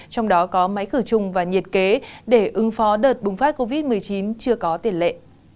trong đó có máy khử trùng và nhiệt kế để ứng phó đợt bùng phát covid một mươi chín chưa có tiền lệ